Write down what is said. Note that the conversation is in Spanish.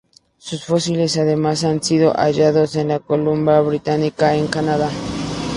Sus fósiles además han sido hallados en la Columbia Británica, en Canadá.